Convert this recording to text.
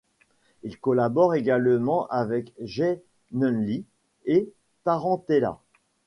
Il collabore également avec Jay Munly et Tarentella.